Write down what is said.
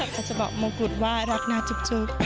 เขาจะบอกโมกุฎว่ารักหน้าจุ๊บ